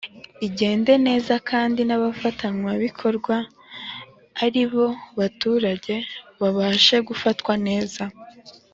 igende neza kandi n’abagenerwabikorwa ari bo baturage babashe gufatwa neza